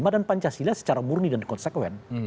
dan pancasila secara murni dan konsekuen